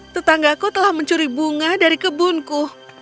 tetanggaku telah mencuri bunga dari kebunku